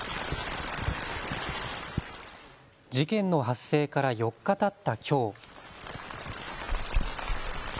事件の発生から４日たったきょう。